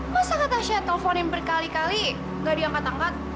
masa kak tasya telponin berkali kali gak diangkat angkat